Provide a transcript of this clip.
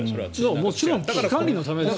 もちろん危機管理のためですよ。